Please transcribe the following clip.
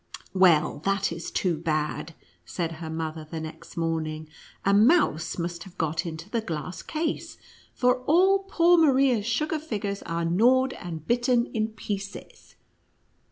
"Well, that is too bad!" said her mother, the next morning. "A mouse must have got NUTCEACKEE AND MOUSE KING. 99 into the glass case, for all poor Maria's sugar figures are gnawed and bitten in pieces."